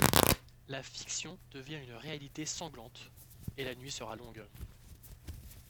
La fiction devient une réalité sanglante, et la nuit sera longue...